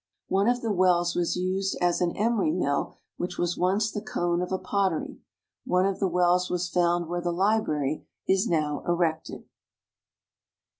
One of the wells was used at an emery mill, which was once the cone of a pottery. One of the wells was found where the Library is now erected.